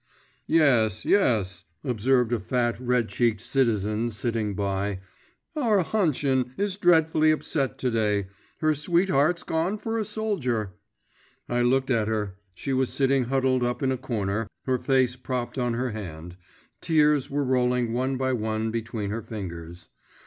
'Yes, yes,' observed a fat, red cheeked citizen sitting by, 'our Hannchen is dreadfully upset to day; her sweetheart's gone for a soldier.' I looked at her; she was sitting huddled up in a corner, her face propped on her hand; tears were rolling one by one between her fingers.